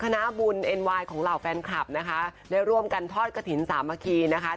คณะบุญเอ็นไวน์ของเหล่าแฟนคลับนะคะได้ร่วมกันทอดกระถิ่นสามัคคีนะคะ